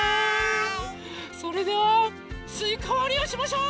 それではすいかわりをしましょう！